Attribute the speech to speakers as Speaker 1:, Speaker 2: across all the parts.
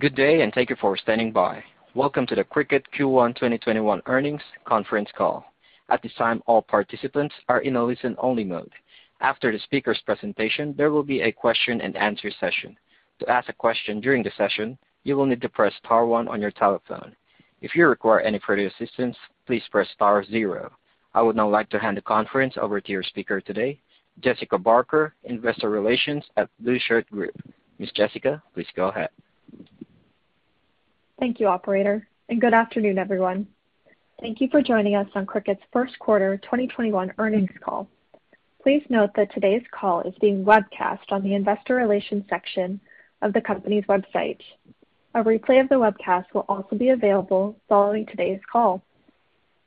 Speaker 1: Good day. Thank you for standing by. Welcome to the Cricut Q1 2021 earnings conference call. At this time, all participants are in a listen-only mode. After the speaker's presentation, there will be a question and answer session. To ask a question during the session, you will need to press star one on your telephone. If you require any further assistance, please press star zero. I would now like to hand the conference over to your speaker today, Jessica Barker, Investor Relations at The Blueshirt Group. Ms. Jessica, please go ahead.
Speaker 2: Thank you, Operator, and good afternoon, everyone? Thank you for joining us on Cricut's first quarter 2021 earnings call. Please note that today's call is being webcast on the investor relations section of the company's website. A replay of the webcast will also be available following today's call.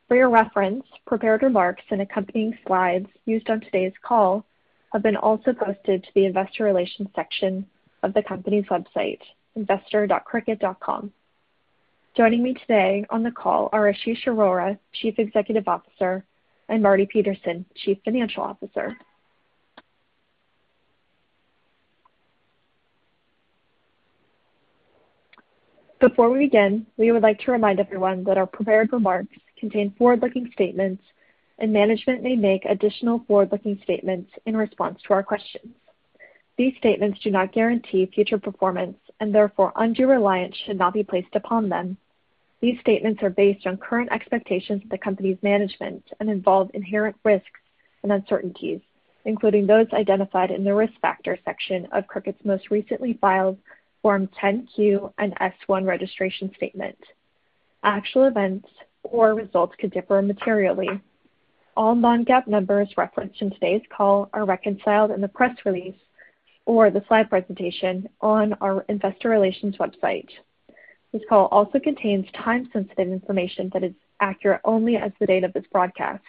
Speaker 2: For your reference, prepared remarks and accompanying slides used on today's call have been also posted to the investor relations section of the company's website, investor.cricut.com. Joining me today on the call are Ashish Arora, Chief Executive Officer, and Marty Petersen, Chief Financial Officer. Before we begin, we would like to remind everyone that our prepared remarks contain forward-looking statements, and management may make additional forward-looking statements in response to our questions. These statements do not guarantee future performance, and therefore, undue reliance should not be placed upon them. These statements are based on current expectations of the company's management and involve inherent risks and uncertainties, including those identified in the Risk Factors section of Cricut's most recently filed Form 10-Q and S-1 Registration Statement. Actual events or results could differ materially. All non-GAAP numbers referenced in today's call are reconciled in the press release or the slide presentation on our investor relations website. This call also contains time-sensitive information that is accurate only as of the date of this broadcast,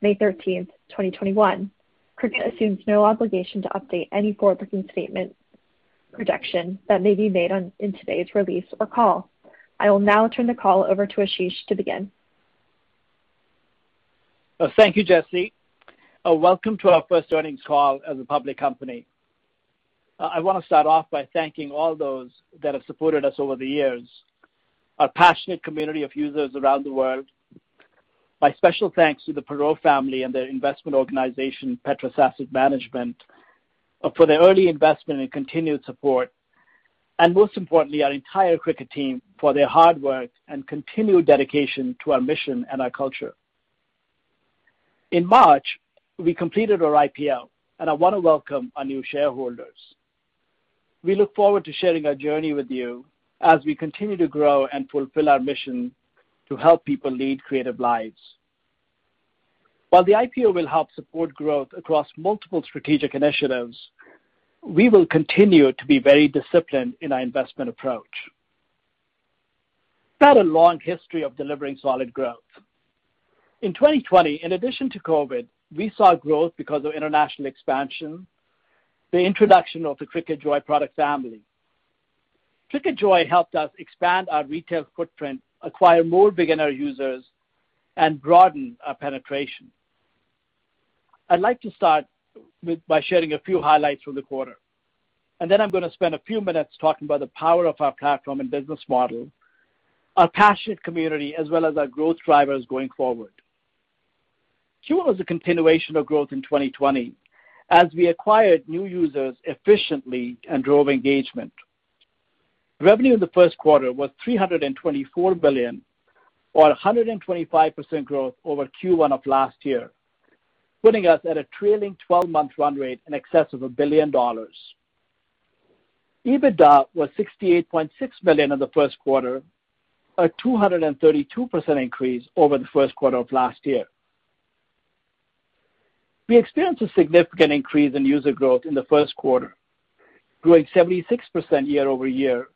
Speaker 2: May 13th, 2021. Cricut assumes no obligation to update any forward-looking statement projection that may be made on, in today's release or call. I will now turn the call over to Ashish to begin.
Speaker 3: Thank you, Jessie. Welcome to our first earnings call as a public company. I wanna start off by thanking all those that have supported us over the years, our passionate community of users around the world. My special thanks to the Perot family and their investment organization, Petrus Asset Management, for their early investment and continued support, and most importantly, our entire Cricut team for their hard work and continued dedication to our mission and our culture. In March, we completed our IPO, and I wanna welcome our new shareholders. We look forward to sharing our journey with you as we continue to grow and fulfill our mission to help people lead creative lives. While the IPO will help support growth across multiple strategic initiatives, we will continue to be very disciplined in our investment approach. We've had a long history of delivering solid growth. In 2020, in addition to COVID, we saw growth because of international expansion, the introduction of the Cricut Joy product family. Cricut Joy helped us expand our retail footprint, acquire more beginner users, and broaden our penetration. I'd like to start by sharing a few highlights from the quarter, and then I'm gonna spend a few minutes talking about the power of our platform and business model, our passionate community, as well as our growth drivers going forward. Q1 was a continuation of growth in 2020 as we acquired new users efficiently and drove engagement. Revenue in the first quarter was $324 billion, or 125% growth over Q1 of last year, putting us at a trailing twelve-month run rate in excess of $1 billion. EBITDA was $68.6 billion in the first quarter, a 232% increase over the first quarter of last year. We experienced a significant increase in user growth in the first quarter, growing 76% year-over-year,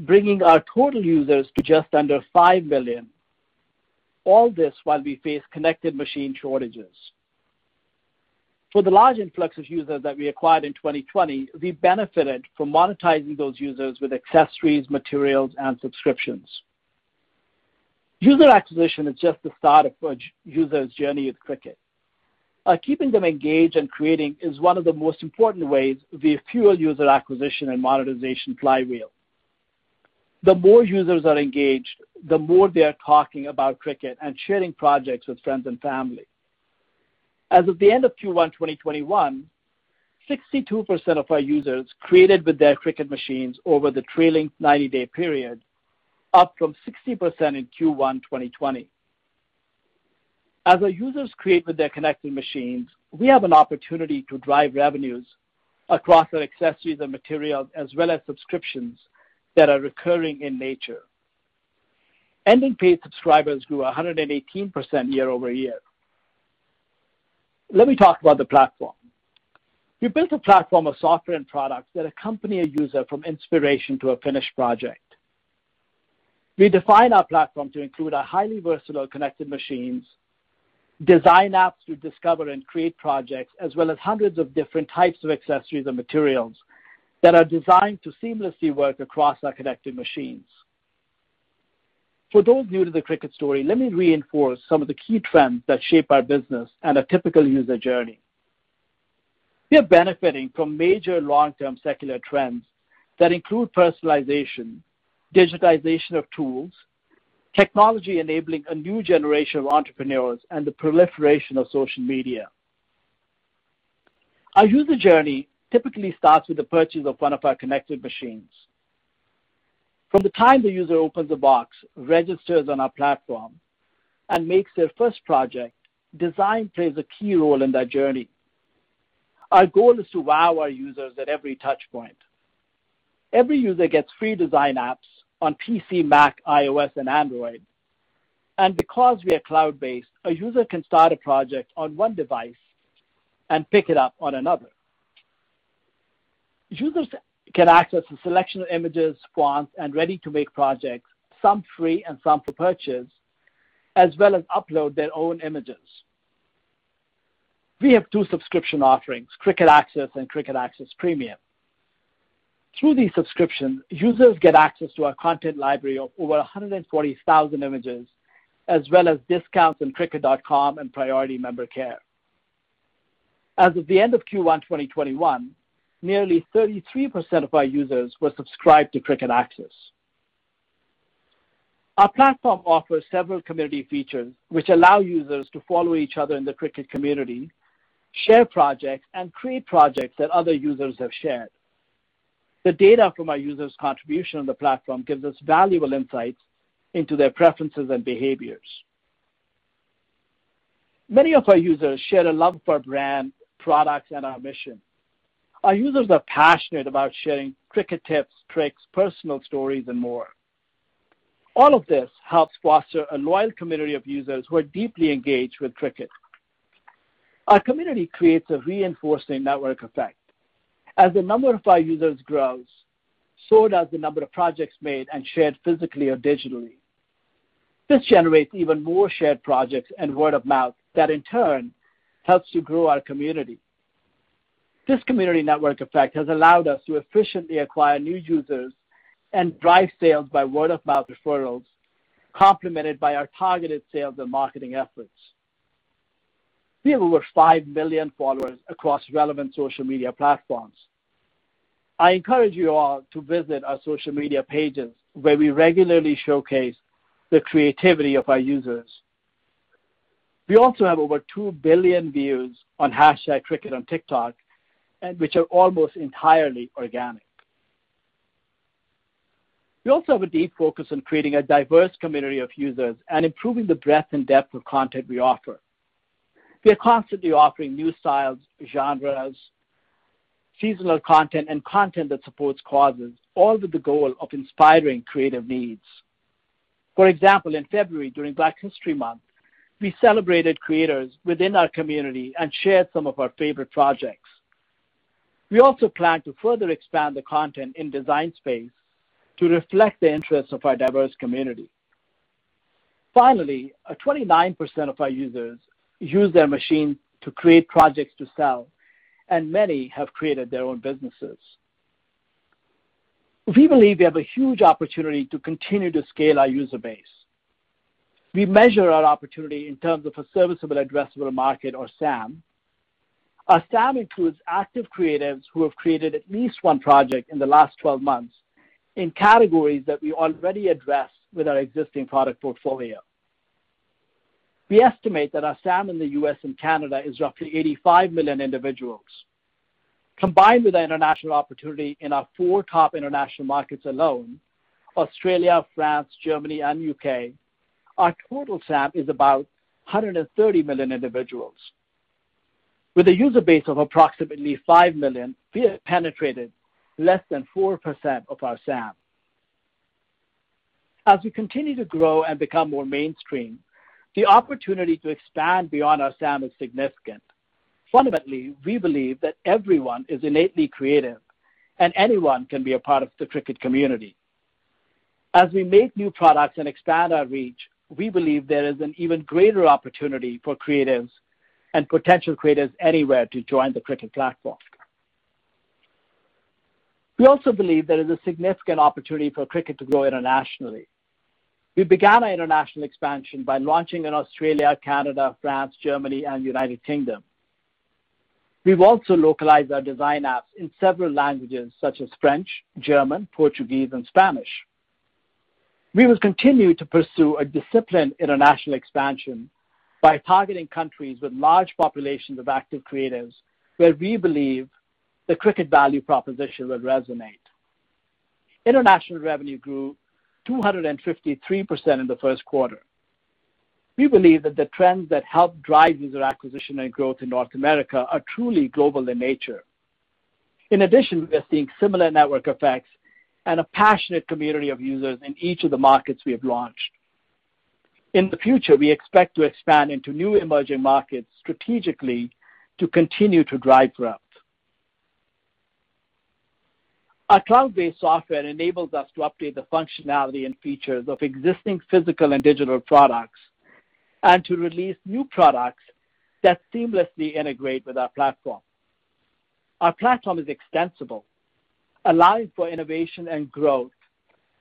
Speaker 3: bringing our total users to just under $5 million, all this while we face connected machine shortages. For the large influx of users that we acquired in 2020, we benefited from monetizing those users with accessories, materials, and subscriptions. User acquisition is just the start of a user's journey with Cricut. Keeping them engaged and creating is one of the most important ways we fuel user acquisition and monetization flywheel. The more users are engaged, the more they are talking about Cricut and sharing projects with friends and family. As of the end of Q1 2021, 62% of our users created with their Cricut machines over the trailing 90-day period, up from 60% in Q1 2020. As our users create with their connected machines, we have an opportunity to drive revenues across our accessories and materials as well as subscriptions that are recurring in nature. Ending paid subscribers grew 118% year-over-year. Let me talk about the platform. We built a platform of software and products that accompany a user from inspiration to a finished project. We define our platform to include our highly versatile connected machines, design apps to discover and create projects, as well as hundreds of different types of accessories and materials that are designed to seamlessly work across our connected machines. For those new to the Cricut story, let me reinforce some of the key trends that shape our business and a typical user journey. We are benefiting from major long-term secular trends that include personalization, digitization of tools, technology enabling a new generation of entrepreneurs, and the proliferation of social media. Our user journey typically starts with the purchase of one of our connected machines. From the time the user opens a box, registers on our platform, and makes their first project, design plays a key role in that journey. Our goal is to wow our users at every touch point. Every user gets free Design Space apps on PC, Mac, iOS, and Android. Because we are cloud-based, a user can start a project on one device and pick it up on another. Users can access a selection of images, fonts, and ready-to-make projects, some free and some for purchase, as well as upload their own images. We have two subscription offerings, Cricut Access and Cricut Access Premium. Through these subscriptions, users get access to our content library of over 140,000 images, as well as discounts on cricut.com and priority member care. As of the end of Q1 2021, nearly 33% of our users were subscribed to Cricut Access. Our platform offers several community features which allow users to follow each other in the Cricut community, share projects, and create projects that other users have shared. The data from our users' contribution on the platform gives us valuable insights into their preferences and behaviors. Many of our users share a love for our brand, products, and our mission. Our users are passionate about sharing Cricut tips, tricks, personal stories, and more. All of this helps foster a loyal community of users who are deeply engaged with Cricut. Our community creates a reinforcing network effect. As the number of our users grows, so does the number of projects made and shared physically or digitally. This generates even more shared projects and word of mouth that, in turn, helps to grow our community. This community network effect has allowed us to efficiently acquire new users and drive sales by word of mouth referrals, complemented by our targeted sales and marketing efforts. We have over five million followers across relevant social media platforms. I encourage you all to visit our social media pages where we regularly showcase the creativity of our users. We also have over two billion views on hashtag Cricut on TikTok, which are almost entirely organic. We also have a deep focus on creating a diverse community of users and improving the breadth and depth of content we offer. We are constantly offering new styles, genres, seasonal content, and content that supports causes, all with the goal of inspiring creative needs. For example, in February, during Black History Month, we celebrated creators within our community and shared some of our favorite projects. We also plan to further expand the content in Design Space to reflect the interests of our diverse community. Finally, 29% of our users use their machine to create projects to sell, and many have created their own businesses. We believe we have a huge opportunity to continue to scale our user base. We measure our opportunity in terms of a Serviceable Addressable Market, or SAM. Our SAM includes active creatives who have created at least one project in the last 12 months in categories that we already address with our existing product portfolio. We estimate that our SAM in the U.S. and Canada is roughly 85 million individuals. Combined with our international opportunity in our four top international markets alone, Australia, France, Germany, and U.K., our total SAM is about 130 million individuals. With a user base of approximately five million, we have penetrated less than 4% of our SAM. As we continue to grow and become more mainstream, the opportunity to expand beyond our SAM is significant. Fundamentally, we believe that everyone is innately creative and anyone can be a part of the Cricut community. As we make new products and expand our reach, we believe there is an even greater opportunity for creatives and potential creatives anywhere to join the Cricut platform. We also believe there is a significant opportunity for Cricut to grow internationally. We began our international expansion by launching in Australia, Canada, France, Germany, and U.K. We've also localized our design apps in several languages such as French, German, Portuguese, and Spanish. We will continue to pursue a disciplined international expansion by targeting countries with large populations of active creatives where we believe the Cricut value proposition will resonate. International revenue grew 253% in the first quarter. We believe that the trends that help drive user acquisition and growth in North America are truly global in nature. In addition, we are seeing similar network effects and a passionate community of users in each of the markets we have launched. In the future, we expect to expand into new emerging markets strategically to continue to drive growth. Our cloud-based software enables us to update the functionality and features of existing physical and digital products and to release new products that seamlessly integrate with our platform. Our platform is extensible, allowing for innovation and growth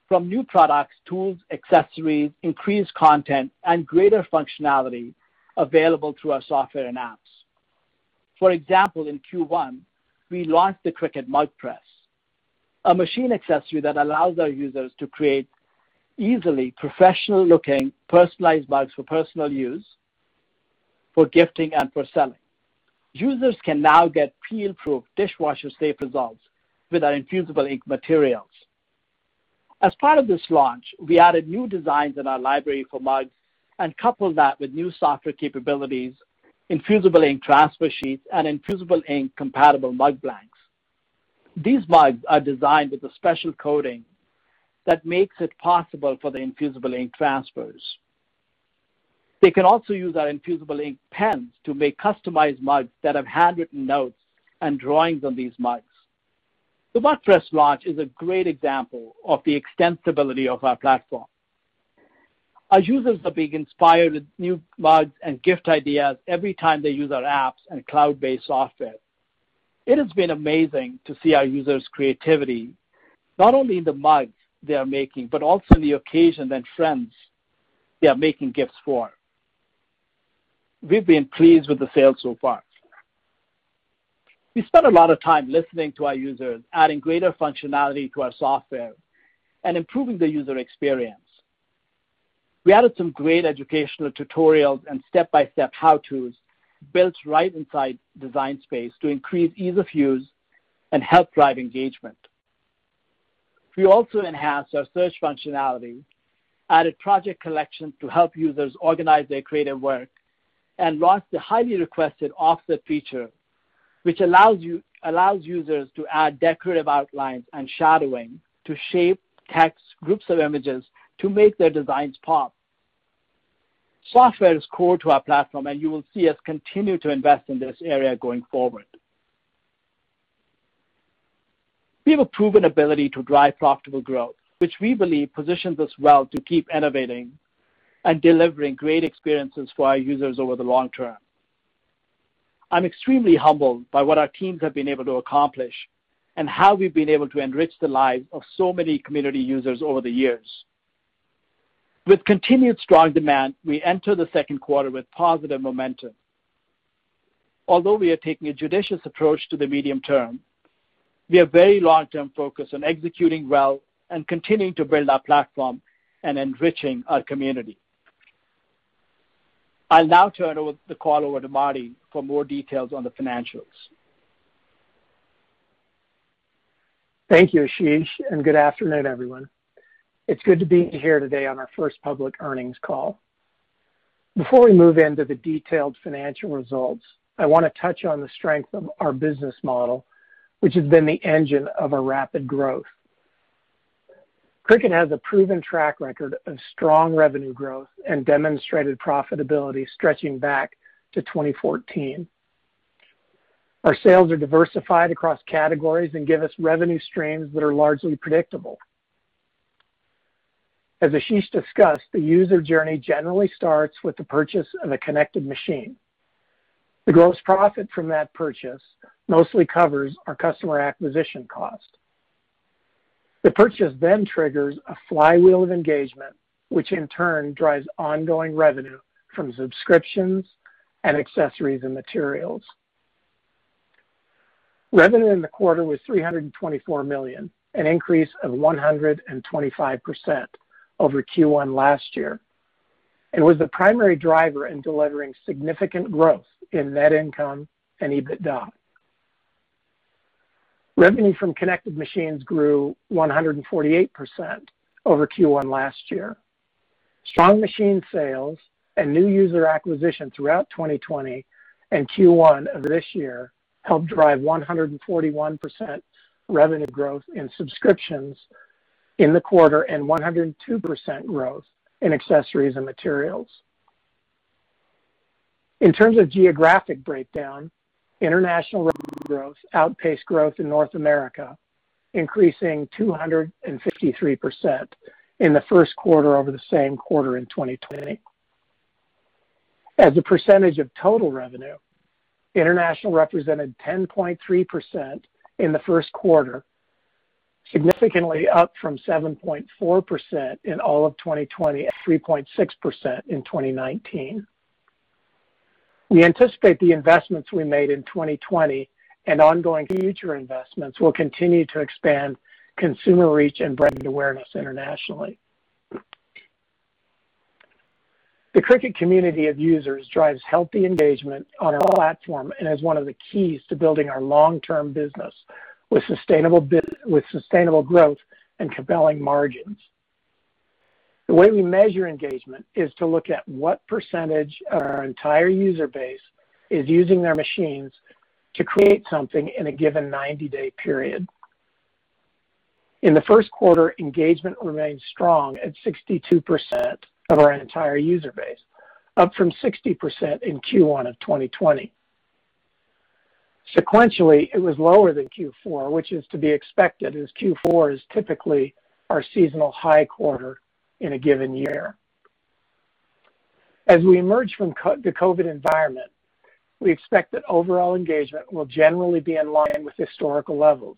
Speaker 3: from new products, tools, accessories, increased content, and greater functionality available through our software and apps. For example, in Q1, we launched the Cricut Mug Press, a machine accessory that allows our users to create easily professional-looking personalized mugs for personal use, for gifting, and for selling. Users can now get peel-proof, dishwasher-safe results with our Infusible Ink materials. As part of this launch, we added new designs in our library for mugs and coupled that with new software capabilities, Infusible Ink transfer sheets, and Infusible Ink compatible mug blanks. These mugs are designed with a special coating that makes it possible for the Infusible Ink transfers. They can also use our Infusible Ink pens to make customized mugs that have handwritten notes and drawings on these mugs. The Mug Press launch is a great example of the extensibility of our platform. Our users are being inspired with new mugs and gift ideas every time they use our apps and cloud-based software. It has been amazing to see our users' creativity, not only in the mugs they are making, but also in the occasion and friends they are making gifts for. We've been pleased with the sales so far. We spent a lot of time listening to our users, adding greater functionality to our software and improving the user experience. We added some great educational tutorials and step-by-step how-tos built right inside Design Space to increase ease of use and help drive engagement. We also enhanced our search functionality, added project collections to help users organize their creative work, and launched the highly requested offset feature, which allows users to add decorative outlines and shadowing to shape text, groups of images to make their designs pop. Software is core to our platform, and you will see us continue to invest in this area going forward. We have a proven ability to drive profitable growth, which we believe positions us well to keep innovating and delivering great experiences for our users over the long term. I'm extremely humbled by what our teams have been able to accomplish and how we've been able to enrich the lives of so many community users over the years. With continued strong demand, we enter the second quarter with positive momentum. Although we are taking a judicious approach to the medium term, we are very long term focused on executing well and continuing to build our platform and enriching our community. I'll now turn the call over to Marty for more details on the financials.
Speaker 4: Thank you, Ashish. Good afternoon everyone? It's good to be here today on our first public earnings call. Before we move into the detailed financial results, I want to touch on the strength of our business model, which has been the engine of our rapid growth. Cricut has a proven track record of strong revenue growth and demonstrated profitability stretching back to 2014. Our sales are diversified across categories and give us revenue streams that are largely predictable. As Ashish discussed, the user journey generally starts with the purchase of a connected machine. The gross profit from that purchase mostly covers our customer acquisition cost. The purchase then triggers a flywheel of engagement, which in turn drives ongoing revenue from subscriptions and accessories and materials. Revenue in the quarter was $324 million, an increase of 125% over Q1 last year, and was the primary driver in delivering significant growth in net income and EBITDA. Revenue from connected machines grew 148% over Q1 last year. Strong machine sales and new user acquisition throughout 2020 and Q1 of this year helped drive 141% revenue growth in subscriptions in the quarter and 102% growth in accessories and materials. In terms of geographic breakdown, international revenue growth outpaced growth in North America, increasing 253% in the first quarter over the same quarter in 2020. As a percentage of total revenue, international represented 10.3% in the first quarter, significantly up from 7.4% in all of 2020 and 3.6% in 2019. We anticipate the investments we made in 2020 and ongoing future investments will continue to expand consumer reach and brand awareness internationally. The Cricut community of users drives healthy engagement on our platform and is one of the keys to building our long-term business with sustainable growth and compelling margins. The way we measure engagement is to look at what percentage of our entire user base is using their machines to create something in a given 90-day period. In the first quarter, engagement remained strong at 62% of our entire user base, up from 60% in Q1 of 2020. Sequentially, it was lower than Q4, which is to be expected, as Q4 is typically our seasonal high quarter in a given year. As we emerge from the COVID environment, we expect that overall engagement will generally be in line with historical levels,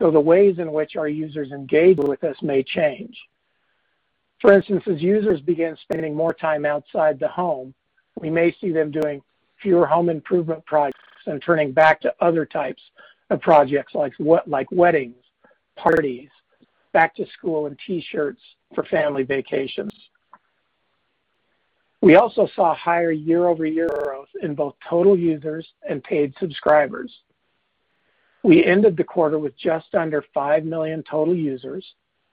Speaker 4: though the ways in which our users engage with us may change. For instance, as users begin spending more time outside the home, we may see them doing fewer home improvement projects and turning back to other types of projects like weddings, parties, back to school, and T-shirts for family vacations. We also saw higher year-over-year growth in both total users and paid subscribers. We ended the quarter with just under five million total users,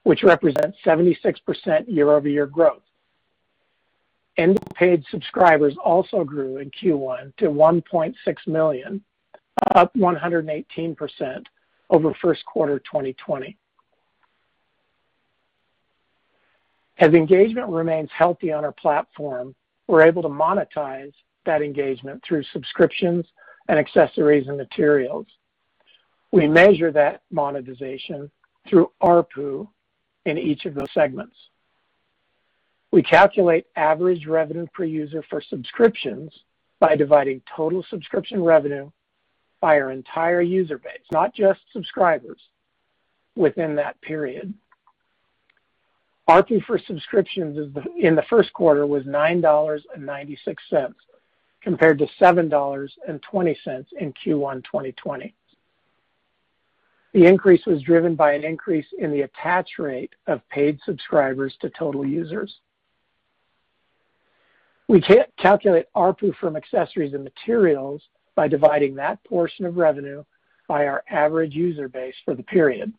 Speaker 4: which represents 76% year-over-year growth. Ended paid subscribers also grew in Q1 to 1.6 million, up 118% over first quarter of 2020. As engagement remains healthy on our platform, we're able to monetize that engagement through subscriptions and accessories and materials. We measure that monetization through ARPU in each of those segments. We calculate average revenue per user for subscriptions by dividing total subscription revenue by our entire user base, not just subscribers within that period. ARPU for subscriptions is the in the first quarter was $9.96, compared to $7.20 in Q1 2020. The increase was driven by an increase in the attach rate of paid subscribers to total users. We calculate ARPU from accessories and materials by dividing that portion of revenue by our average user base for the period.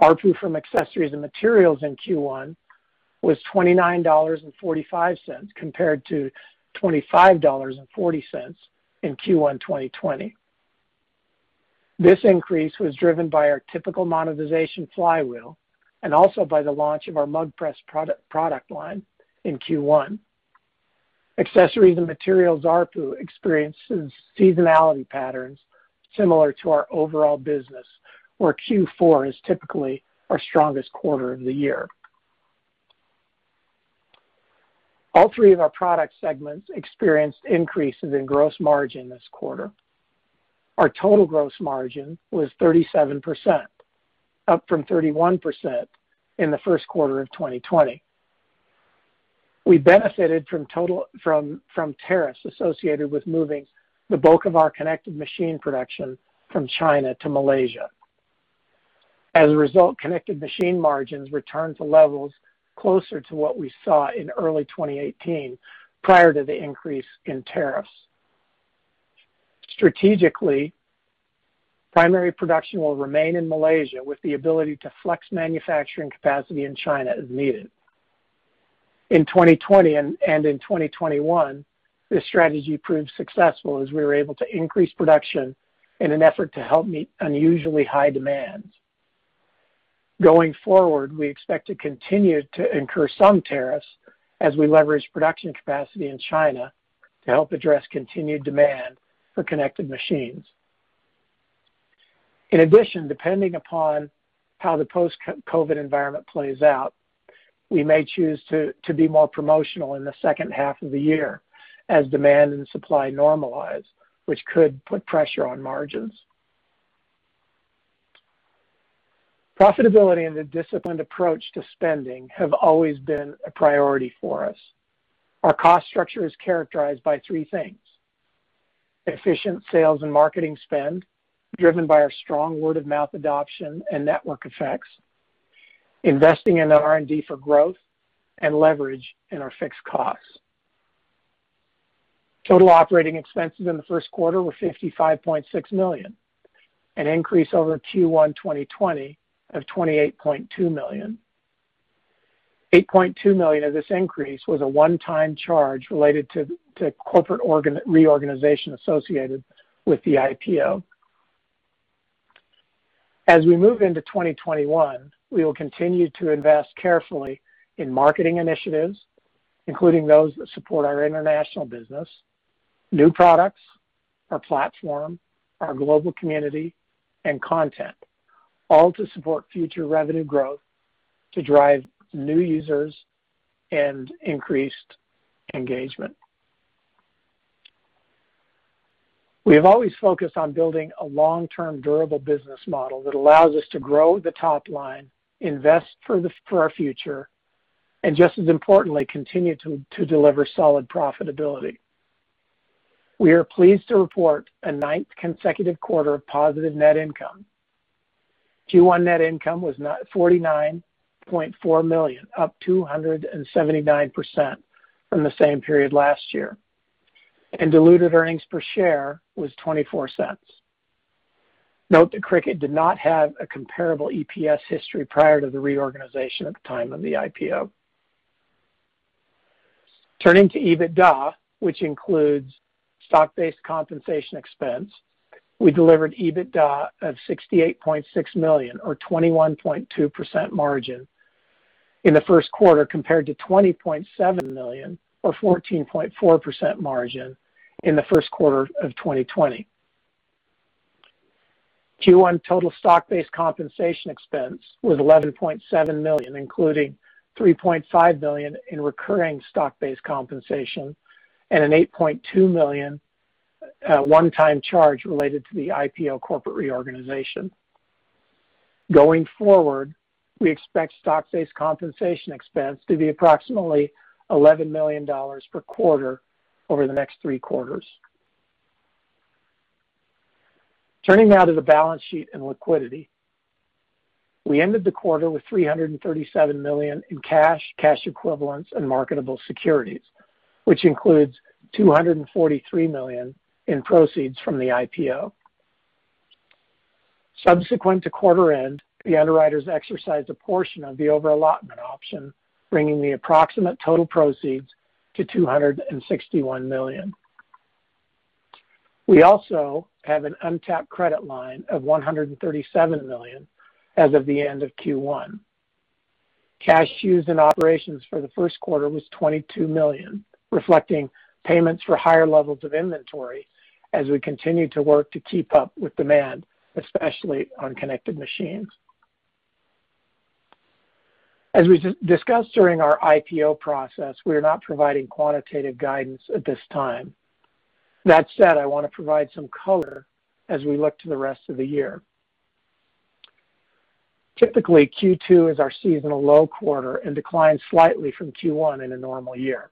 Speaker 4: ARPU from accessories and materials in Q1 was $29.45, compared to $25.40 in Q1 2020. This increase was driven by our typical monetization flywheel and also by the launch of our Cricut Mug Press product line in Q1. Accessories and materials ARPU experiences seasonality patterns similar to our overall business, where Q4 is typically our strongest quarter of the year. All three of our product segments experienced increases in gross margin this quarter. Our total gross margin was 37%, up from 31% in the first quarter of 2020. We benefited from tariffs associated with moving the bulk of our connected machine production from China to Malaysia. As a result, connected machine margins returned to levels closer to what we saw in early 2018 prior to the increase in tariffs. Strategically, primary production will remain in Malaysia with the ability to flex manufacturing capacity in China as needed. In 2020 and in 2021, this strategy proved successful as we were able to increase production in an effort to help meet unusually high demand. Going forward, we expect to continue to incur some tariffs as we leverage production capacity in China to help address continued demand for connected machines. In addition, depending upon how the post-COVID environment plays out, we may choose to be more promotional in the second half of the year as demand and supply normalize, which could put pressure on margins. Profitability and a disciplined approach to spending have always been a priority for us. Our cost structure is characterized by three things, efficient sales and marketing spend, driven by our strong word-of-mouth adoption and network effects, investing in R&D for growth, and leverage in our fixed costs. Total operating expenses in the first quarter were $55.6 million, an increase over Q1 2020 of $28.2 million. $8.2 million of this increase was a one-time charge related to corporate reorganization associated with the IPO. As we move into 2021, we will continue to invest carefully in marketing initiatives, including those that support our international business, new products, our platform, our global community, and content, all to support future revenue growth to drive new users and increased engagement. We have always focused on building a long-term, durable business model that allows us to grow the top line, invest for our future, and just as importantly, continue to deliver solid profitability. We are pleased to report a ninth consecutive quarter of positive net income. Q1 net income was $49.4 million, up 279% from the same period last year, and diluted earnings per share was $0.24. Note that Cricut did not have a comparable EPS history prior to the reorganization at the time of the IPO. Turning to EBITDA, which includes stock-based compensation expense, we delivered EBITDA of $68.6 million or 21.2% margin in the first quarter, compared to $20.7 million or 14.4% margin in the first quarter of 2020. Q1 total stock-based compensation expense was $11.7 million, including $3.5 million in recurring stock-based compensation and an $8.2 million one-time charge related to the IPO corporate reorganization. Going forward, we expect stock-based compensation expense to be approximately $11 million per quarter over the next three quarters. Turning now to the balance sheet and liquidity. We ended the quarter with $337 million in cash and cash equivalents, and marketable securities, which includes $243 million in proceeds from the IPO. Subsequent to quarter end, the underwriters exercised a portion of the over-allotment option, bringing the approximate total proceeds to $261 million. We also have an untapped credit line of $137 million as of the end of Q1. Cash used in operations for the first quarter was $22 million, reflecting payments for higher levels of inventory as we continue to work to keep up with demand, especially on connected machines. As we discussed during our IPO process, we are not providing quantitative guidance at this time. That said, I wanna provide some color as we look to the rest of the year. Typically, Q2 is our seasonal low quarter and declines slightly from Q1 in a normal year.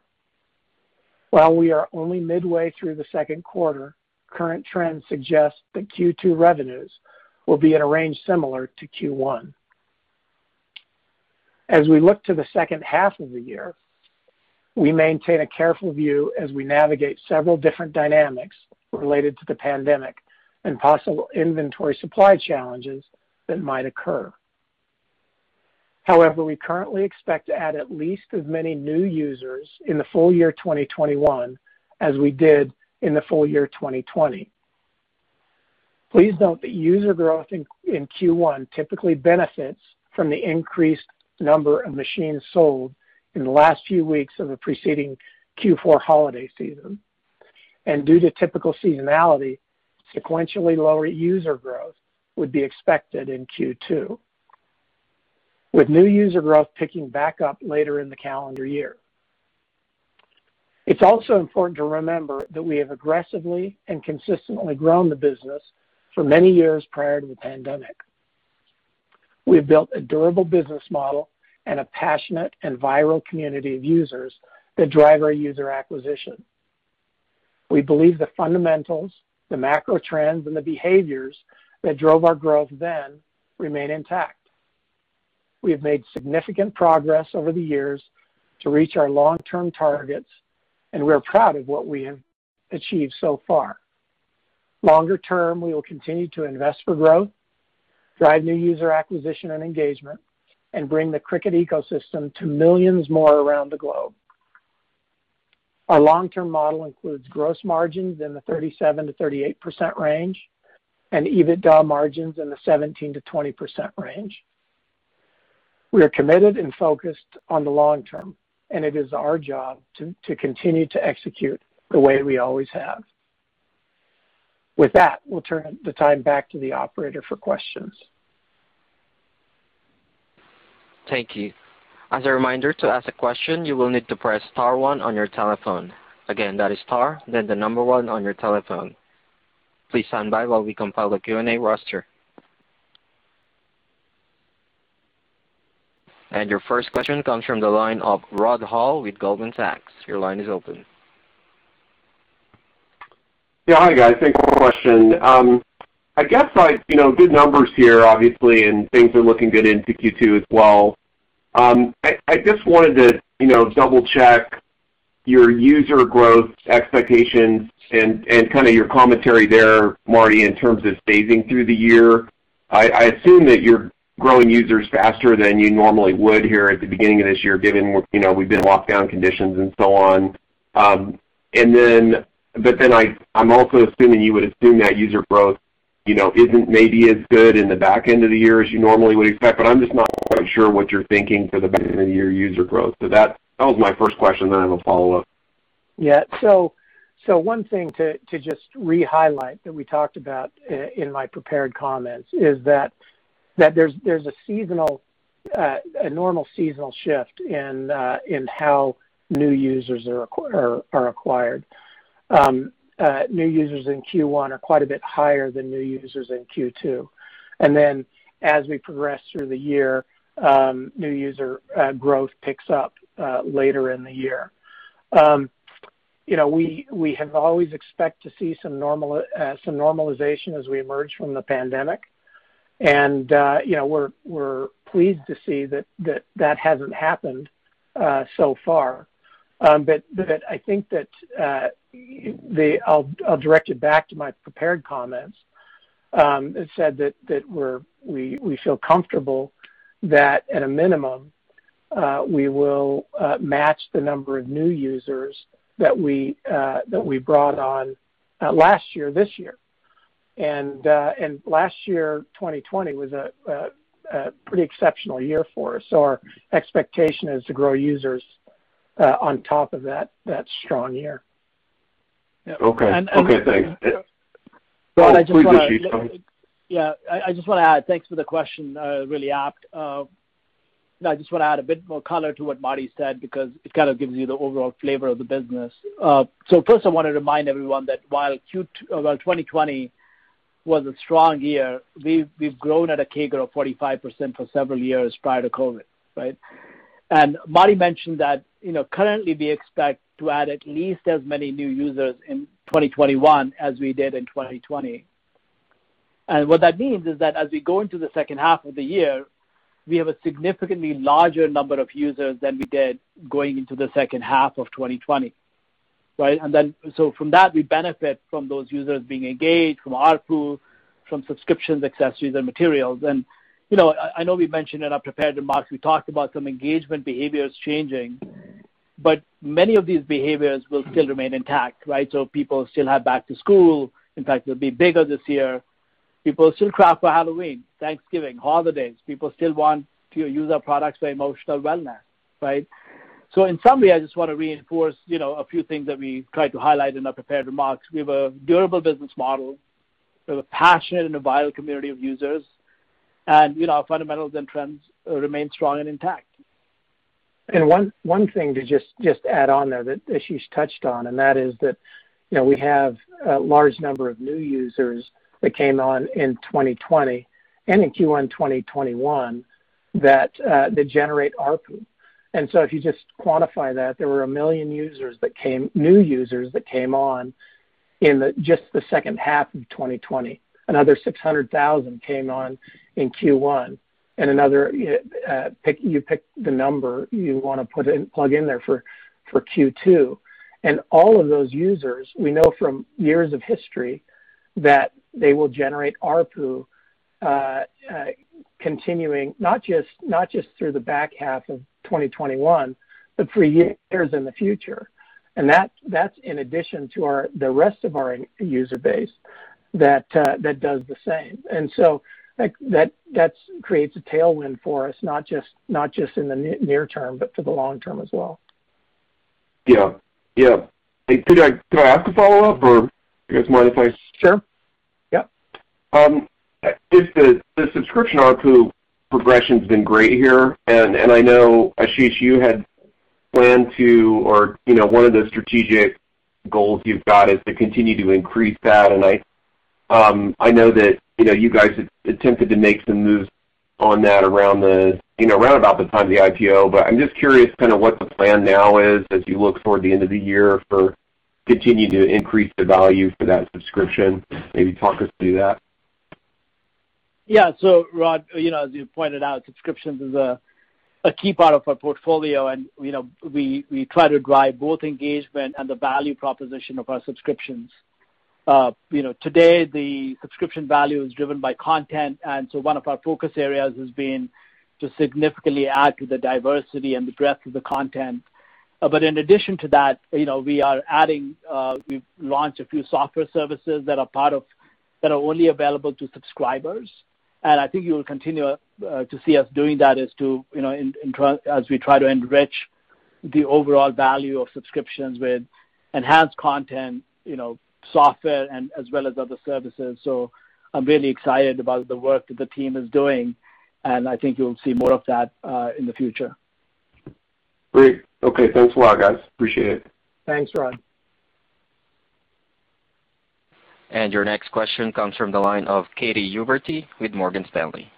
Speaker 4: While we are only midway through the second quarter, current trends suggest that Q2 revenues will be at a range similar to Q1. As we look to the second half of the year, we maintain a careful view as we navigate several different dynamics related to the pandemic and possible inventory supply challenges that might occur. However, we currently expect to add at least as many new users in the full year 2021 as we did in the full year 2020. Please note that user growth in Q1 typically benefits from the increased number of machines sold in the last few weeks of the preceding Q4 holiday season. Due to typical seasonality, sequentially lower user growth would be expected in Q2, with new user growth picking back up later in the calendar year. It's also important to remember that we have aggressively and consistently grown the business for many years prior to the pandemic. We have built a durable business model and a passionate and viral community of users that drive our user acquisition. We believe the fundamentals, the macro trends, and the behaviors that drove our growth then remain intact. We have made significant progress over the years to reach our long-term targets, and we are proud of what we have achieved so far. Longer term, we will continue to invest for growth, drive new user acquisition and engagement, and bring the Cricut ecosystem to millions more around the globe. Our long-term model includes gross margins in the 37%-38% range and EBITDA margins in the 17%-20% range. We are committed and focused on the long term, and it is our job to continue to execute the way we always have. With that, we'll turn the time back to the Operator for questions.
Speaker 1: Thank you. As a reminder, to ask a question, you will need to press star one on your telephone. Again, that is star, then the number one on your telephone. Please stand by while we compile the Q&A roster. Your first question comes from the line of Rod Hall with Goldman Sachs, your line is open.
Speaker 5: Yeah. Hi, guys? Thanks for the question. I guess, like, you know, good numbers here, obviously, and things are looking good into Q2 as well. I just wanted to, you know, double-check your user growth expectations and kinda your commentary there, Marty, in terms of phasing through the year. I assume that you're growing users faster than you normally would here at the beginning of this year, given, you know, we've been in lockdown conditions and so on. I'm also assuming you would assume that user growth, you know, isn't maybe as good in the back end of the year as you normally would expect, but I'm just not quite sure what you're thinking for the back end of the year user growth. That was my first question, then I have a follow-up.
Speaker 4: Yeah. One thing to just re-highlight that we talked about in my prepared comments is that there's a seasonal, a normal seasonal shift in how new users are acquired. New users in Q1 are quite a bit higher than new users in Q2. As we progress through the year, new user growth picks up later in the year. You know, we have always expect to see some normalization as we emerge from the pandemic. You know, we're pleased to see that that hasn't happened so far. I think that I'll direct you back to my prepared comments that said that we feel comfortable that at a minimum, we will match the number of new users that we brought on last year this year. Last year, 2020, was a pretty exceptional year for us. Our expectation is to grow users on top of that strong year.
Speaker 5: Okay. Okay, thanks.
Speaker 3: And, and-
Speaker 5: No, please, Ashish.
Speaker 3: Well, I just wanna add, thanks for the question, really apt. I just wanna add a bit more color to what Marty said because it kind of gives you the overall flavor of the business. First I wanna remind everyone that while 2020 was a strong year, we've grown at a CAGR of 45% for several years prior to COVID, right? Marty mentioned that, you know, currently we expect to add at least as many new users in 2021 as we did in 2020. What that means is that as we go into the second half of the year, we have a significantly larger number of users than we did going into the second half of 2020, right? From that, we benefit from those users being engaged, from ARPU, from subscriptions, accessories, and materials. You know, I know we mentioned in our prepared remarks, we talked about some engagement behaviors changing, but many of these behaviors will still remain intact, right? People still have back to school. In fact, it'll be bigger this year. People still craft for Halloween, Thanksgiving, holidays. People still want to use our products for emotional wellness, right? In summary, I just wanna reinforce, you know, a few things that we tried to highlight in our prepared remarks. We have a durable business model. We have a passionate and a vital community of users. You know, our fundamentals and trends remain strong and intact.
Speaker 4: One thing to just add on there that Ashish touched on, and that is that, you know, we have a large number of new users that came on in 2020 and in Q1 2021 that generate ARPU. If you just quantify that, there were one million new users that came on in just the second half of 2020. Another 600,000 came on in Q1, and another, you pick the number you want to plug in there for Q2. All of those users, we know from years of history that they will generate ARPU, continuing not just through the back half of 2021, but for years in the future. That, that's in addition to the rest of our user base that does the same. That's creates a tailwind for us, not just in the near term, but for the long term as well.
Speaker 5: Yeah. Yeah. Hey, could I ask a follow-up, or you guys mind?
Speaker 4: Sure. Yeah.
Speaker 5: Is the subscription ARPU progression's been great here, and I know, Ashish, you had planned to, or, you know, one of the strategic goals you've got is to continue to increase that. I know that, you know, you guys attempted to make some moves on that around the, you know, round about the time of the IPO. I'm just curious kind of what the plan now is as you look toward the end of the year for continuing to increase the value for that subscription. Maybe talk us through that.
Speaker 3: Rod, you know, as you pointed out, subscriptions is a key part of our portfolio, and, you know, we try to drive both engagement and the value proposition of our subscriptions. You know, today the subscription value is driven by content, one of our focus areas has been to significantly add to the diversity and the breadth of the content. In addition to that, you know, we are adding, we've launched a few software services that are only available to subscribers. I think you will continue to see us doing that as to, you know, as we try to enrich the overall value of subscriptions with enhanced content, you know, software, and as well as other services. I'm really excited about the work that the team is doing, and I think you'll see more of that in the future.
Speaker 5: Great. Okay. Thanks a lot, guys. Appreciate it.
Speaker 4: Thanks, Rod.
Speaker 1: Your next question comes from the line of Katy Huberty with Morgan Stanley.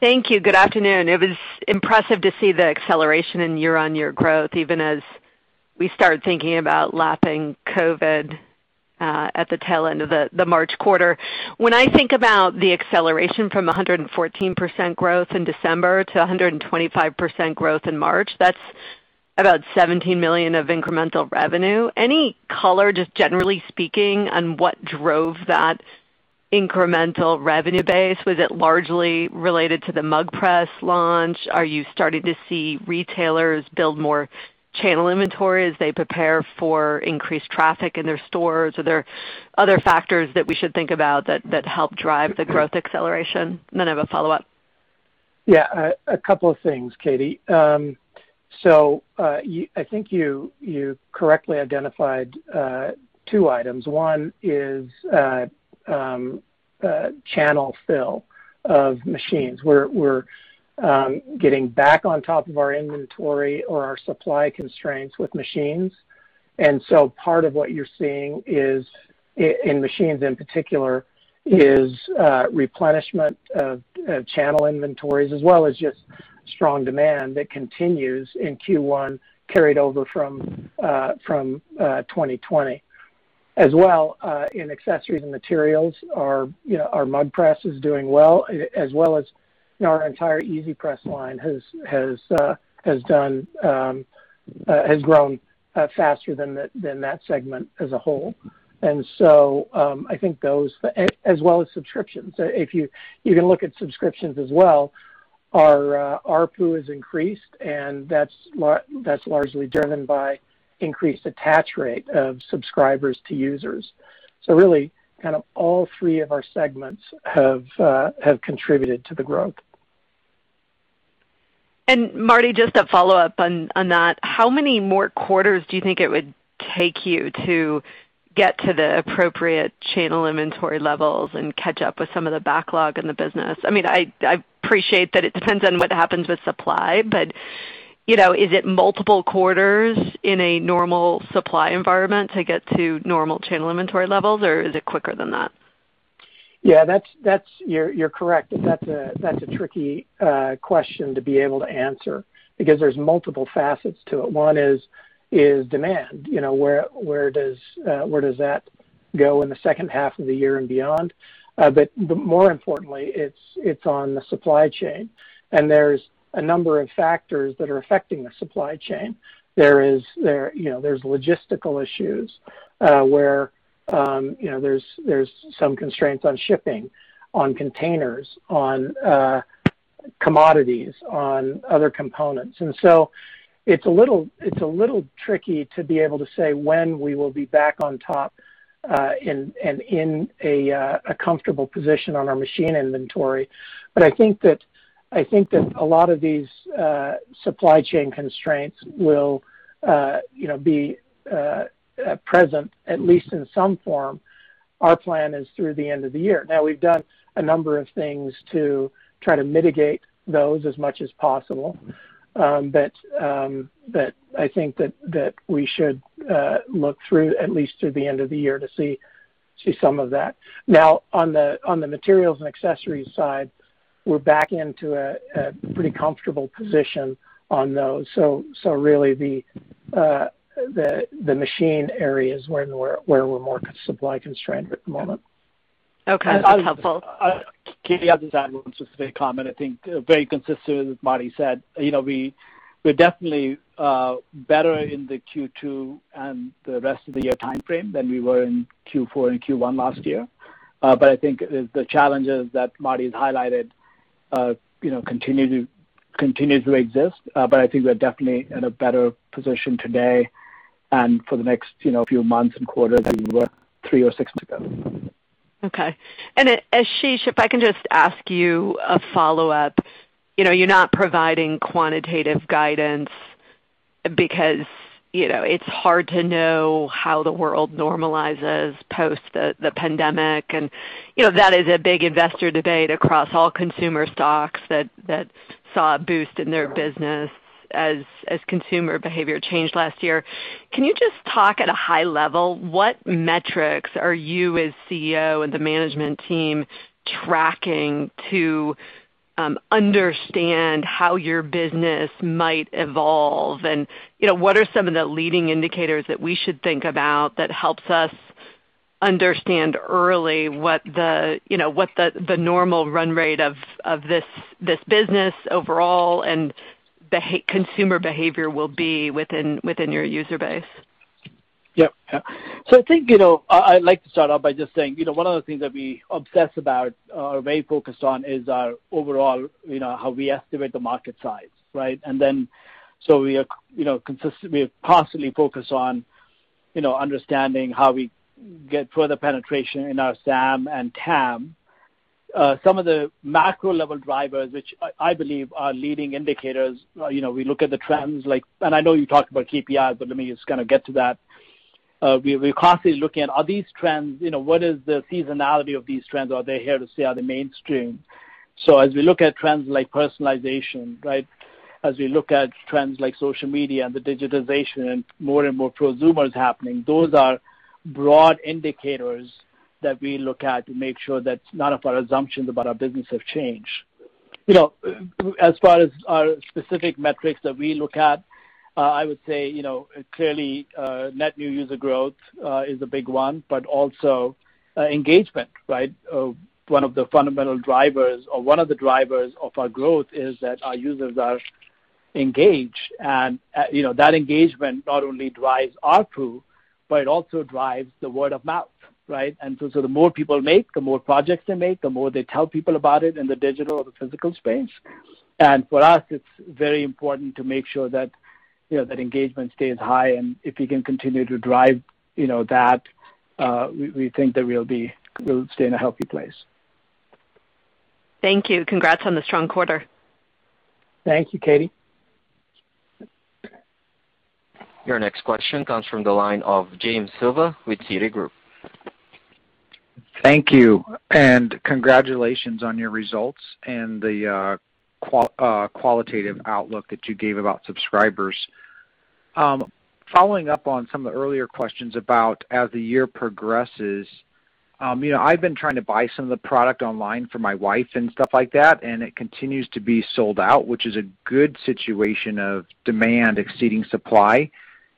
Speaker 6: Thank you. Good afternoon? It was impressive to see the acceleration in year-on-year growth, even as we start thinking about lapping COVID at the tail end of the March quarter. When I think about the acceleration from 114% growth in December to 125% growth in March, that's about $17 million of incremental revenue. Any color, just generally speaking, on what drove that incremental revenue base? Was it largely related to the Mug Press launch? Are you starting to see retailers build more channel inventory as they prepare for increased traffic in their stores? Are there other factors that we should think about that help drive the growth acceleration? Then I have a follow-up.
Speaker 4: Yeah, a couple of things, Katy. I think you correctly identified two items. One is channel fill of machines. We're getting back on top of our inventory or our supply constraints with machines. Part of what you're seeing in machines in particular is replenishment of channel inventories as well as just strong demand that continues in Q1 carried over from 2020. In accessories and materials, our, you know, our Cricut Mug Press is doing well, as well as, you know, our entire Cricut EasyPress line has grown faster than that segment as a whole. I think those as well as subscriptions. You can look at subscriptions as well. Our ARPU has increased. That's largely driven by increased attach rate of subscribers to users. Really kind of all three of our segments have contributed to the growth.
Speaker 6: Marty, just a follow-up on that. How many more quarters do you think it would take you to get to the appropriate channel inventory levels and catch up with some of the backlog in the business? I mean, I appreciate that it depends on what happens with supply, but, you know, is it multiple quarters in a normal supply environment to get to normal channel inventory levels, or is it quicker than that?
Speaker 4: Yeah, you're correct. That's a tricky question to be able to answer because there's multiple facets to it. One is demand. You know, where does that go in the second half of the year and beyond? But more importantly, it's on the supply chain, there's a number of factors that are affecting the supply chain. You know, there's logistical issues where, you know, there's some constraints on shipping, on containers, on commodities, on other components. It's a little tricky to be able to say when we will be back on top, and in a comfortable position on our machine inventory. I think that a lot of these supply chain constraints will, you know, be present at least in some form. Our plan is through the end of the year. We've done a number of things to try to mitigate those as much as possible, but I think that we should look through at least through the end of the year to see some of that. On the materials and accessories side, we're back into a pretty comfortable position on those. Really the machine areas where we're more supply constrained at the moment.
Speaker 6: Okay. That's helpful.
Speaker 3: Katy, I'll just add one specific comment. I think, very consistent with what Marty said, you know, we're definitely better in the Q2 and the rest of the year timeframe than we were in Q4 and Q1 last year. I think the challenges that Marty's highlighted, you know, continue to exist. I think we're definitely in a better position today and for the next, you know, few months and quarters than we were three or six months ago.
Speaker 6: Okay. Ashish, if I can just ask you a follow-up. You know, you're not providing quantitative guidance because, you know, it's hard to know how the world normalizes post the pandemic and, you know, that is a big investor debate across all consumer stocks that saw a boost in their business as consumer behavior changed last year. Can you just talk at a high level, what metrics are you as Chief Executive Officer and the management team tracking to understand how your business might evolve? You know, what are some of the leading indicators that we should think about that helps us understand early what the normal run rate of this business overall and consumer behavior will be within your user base?
Speaker 3: I think, you know, I'd like to start off by just saying, you know, one of the things that we obsess about or are very focused on is our overall, you know, how we estimate the market size, right? We constantly focus on, you know, understanding how we get further penetration in our SAM and TAM. Some of the macro level drivers, which I believe are leading indicators, you know, we look at the trends like I know you talked about KPIs, but let me just kind of get to that. We're constantly looking at are these trends. You know, what is the seasonality of these trends? Are they here to stay? Are they mainstream? As we look at trends like personalization, right? As we look at trends like social media and the digitization and more and more prosumers happening, those are broad indicators that we look at to make sure that none of our assumptions about our business have changed. You know, as far as our specific metrics that we look at, I would say, you know, clearly, net new user growth is a big one, but also engagement, right? One of the fundamental drivers or one of the drivers of our growth is that our users are engaged. You know, that engagement not only drives ARPU, but it also drives the word of mouth, right? The more people make, the more projects they make, the more they tell people about it in the digital or the physical space. For us, it's very important to make sure that, you know, that engagement stays high. If we can continue to drive, you know, that, we think that We'll stay in a healthy place.
Speaker 6: Thank you. Congrats on the strong quarter.
Speaker 4: Thank you, Katy.
Speaker 1: Your next question comes from the line of Jim Suva with Citigroup.
Speaker 7: Thank you, congratulations on your results and the qualitative outlook that you gave about subscribers. Following up on some of the earlier questions about as the year progresses, you know, I've been trying to buy some of the product online for my wife and stuff like that, and it continues to be sold out, which is a good situation of demand exceeding supply.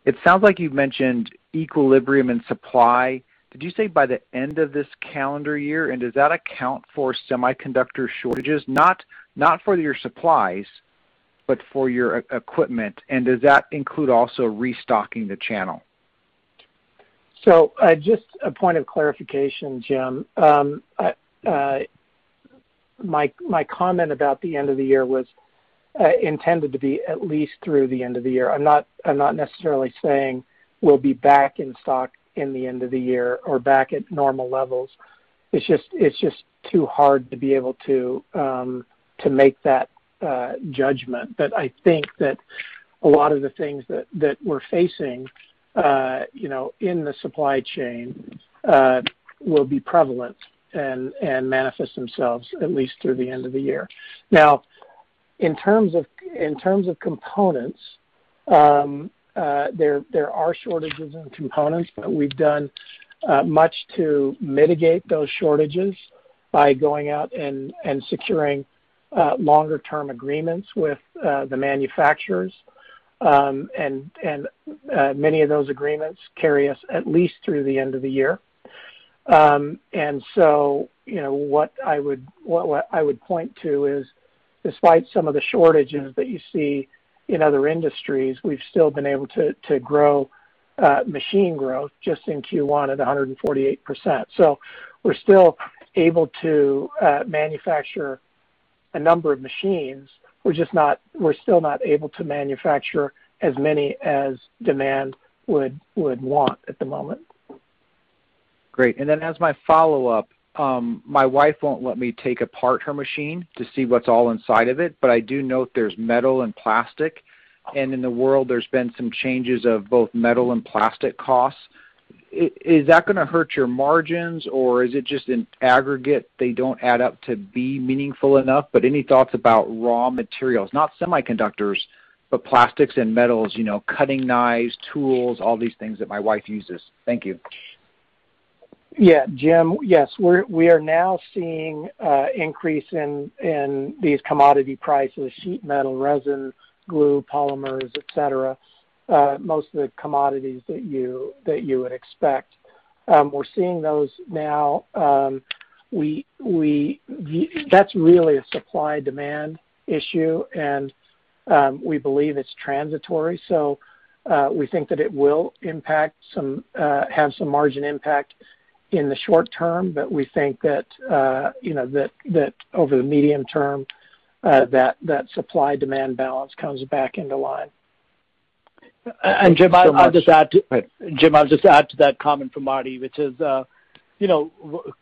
Speaker 7: It sounds like you've mentioned equilibrium and supply, did you say by the end of this calendar year? Does that account for semiconductor shortages, not for your supplies, but for your equipment? Does that include also restocking the channel?
Speaker 4: Just a point of clarification, Jim. My comment about the end of the year was intended to be at least through the end of the year. I'm not necessarily saying we'll be back in stock in the end of the year or back at normal levels. It's just too hard to be able to make that judgment. I think a lot of the things that we're facing, you know, in the supply chain, will be prevalent and manifest themselves at least through the end of the year. In terms of components, there are shortages in components, but we've done much to mitigate those shortages by going out and securing longer term agreements with the manufacturers. Many of those agreements carry us at least through the end of the year. Despite some of the shortages that you see in other industries, we've still been able to grow machine growth just in Q1 at 148%. We're still able to manufacture a number of machines. We're still not able to manufacture as many as demand would want at the moment.
Speaker 7: Great. As my follow-up, my wife won't let me take apart her machine to see what's all inside of it, but I do note there's metal and plastic, and in the world, there's been some changes of both metal and plastic costs. Is that gonna hurt your margins, or is it just in aggregate, they don't add up to be meaningful enough? Any thoughts about raw materials, not semiconductors, but plastics and metals, you know, cutting knives, tools, all these things that my wife uses. Thank you.
Speaker 4: Yes, Jim Yes. We are now seeing increase in these commodity prices, sheet metal, resin, glue, polymers, et cetera, most of the commodities that you would expect. We are seeing those now. That is really a supply-demand issue, and we believe it's transitory. We think that it will impact some, have some margin impact in the short term, but we think that, you know, that over the medium term, that supply-demand balance comes back into line.
Speaker 3: Jim, I'll just add to.
Speaker 7: Thanks so much. Right.
Speaker 3: Jim, I'll just add to that comment from Marty, which is, you know,